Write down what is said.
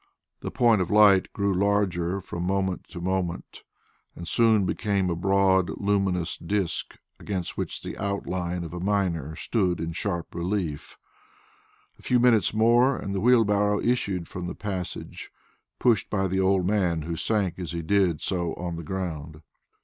The point of light grew larger from moment to moment and soon became a broad luminous disk against which the outline of a miner stood out in sharp relief. A few minutes more and the wheelbarrow issued from the passage, pushed by the old man, who sank as he did so on the ground.